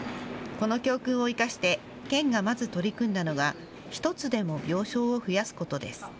この教訓を生かして県がまず取り組んだのが１つでも病床を増やすことです。